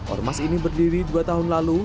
ormas ini berdiri dua tahun lalu